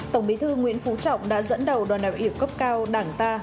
tổng bí thư nguyễn phú trọng đã dẫn đầu đoàn đạo yếu cấp cao đảng ta